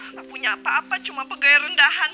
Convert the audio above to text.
nggak punya apa apa cuma pegawai rendahan